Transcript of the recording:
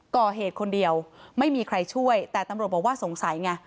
ก่อเหตุคนเดียวไม่มีใครช่วยแต่ตำรวจบอกว่าสงสัยไง